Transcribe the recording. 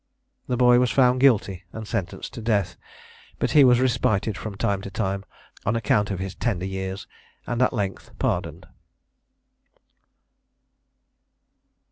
The boy was found guilty, and sentenced to death; but he was respited from time to time on account of his tender years, and at length pardoned.